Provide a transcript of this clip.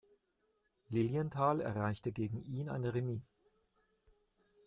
Lilienthal erreichte gegen ihn ein Remis.